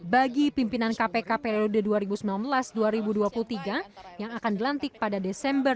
bagi pimpinan kpk periode dua ribu sembilan belas dua ribu dua puluh tiga yang akan dilantik pada desember dua ribu dua puluh